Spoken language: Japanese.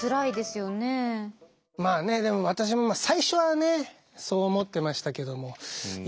でも私も最初はねそう思ってましたけどもああそう。